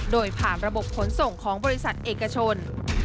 โดยผ่านระบบขนส่งของบริษัทเอกชน